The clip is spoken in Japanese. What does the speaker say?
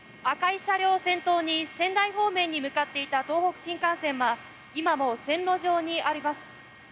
赤い車両を先頭に仙台方面に向かっていた東北新幹線は今も線路上にあります。